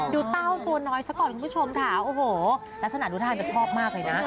เต้าตัวน้อยซะก่อนคุณผู้ชมค่ะโอ้โหลักษณะดูทายมันชอบมากเลยนะ